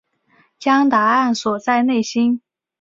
将答案锁在内心